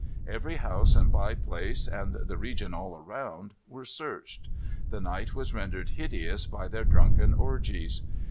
Every house and by place, and the region all around, were searched. The night was rendered hideous by their drunken orgies.